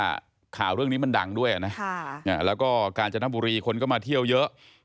ข่าวเรื่องนี้มันดังด้วยนะแล้วก็กาญจนบุรีคนก็มาเที่ยวเยอะ